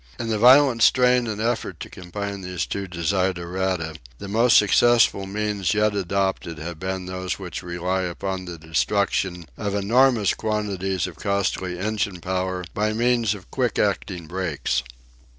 In the violent strain and effort to combine these two desiderata the most successful means yet adopted have been those which rely upon the destruction of enormous quantities of costly engine power by means of quick acting brakes.